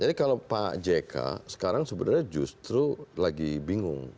jadi kalau pak jk sekarang sebenarnya justru lagi bingung